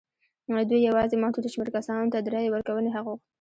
دوی یوازې محدود شمېر کسانو ته د رایې ورکونې حق غوښت.